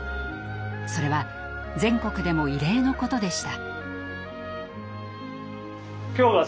それは全国でも異例のことでした。